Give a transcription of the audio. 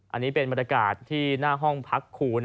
อันนี้เป็นบรรยากาศที่หน้าห้องพักครู